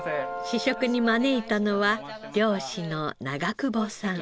試食に招いたのは漁師の長久保さん。